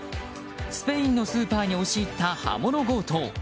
スペインのスーパーに押し入った刃物強盗。